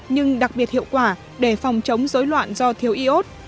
nhưng đặc biệt hiệu quả để phòng chống dối loạn do thiếu y ốt